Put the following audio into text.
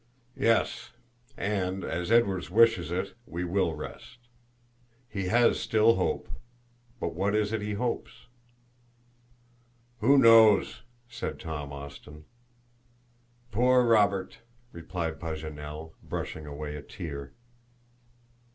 "Yes; and, as Edward wishes it, we will rest. He has still hope, but what is it he hopes?" "Who knows!" said Tom Austin. "Poor Robert!" replied Paganel, brushing away a tear.